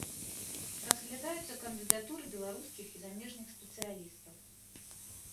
Разглядаюцца кандыдатуры беларускіх і замежных спецыялістаў.